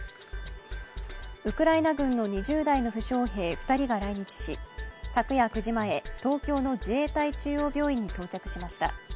ウクライナ軍の２０代の負傷兵２人が来日し、昨夜９時前、東京の自衛隊中央病院に到着しました。